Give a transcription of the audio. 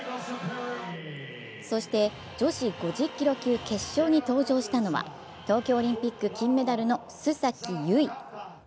そして、女子５０ｋｇ級決勝に登場したのは、東京オリンピック金メダルの須崎優衣。